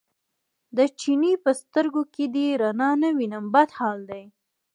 د چیني په سترګو کې دې رڼا نه وینم بد حال دی.